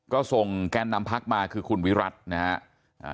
ก็ส่งแกนนำพักมาคือคุณวิรัตินะฮะ